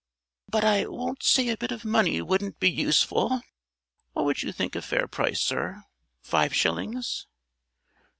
"But I won't say a bit of money wouldn't be useful. What would you think a fair price, Sir? Five shillings?"